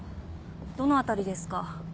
あどの辺りですか？